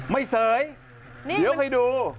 เสยเดี๋ยวให้ดู